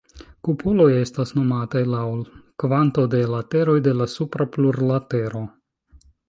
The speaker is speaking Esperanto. Kupoloj estas nomataj laŭ kvanto de lateroj de la supra plurlatero.